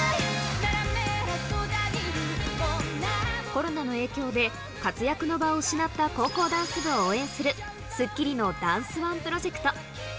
コロナの影響で、活躍の場を失った高校ダンス部を応援する、スッキリのダンスＯＮＥプロジェクト。